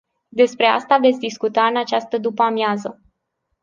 Despre asta veți discuta în această după-amiază.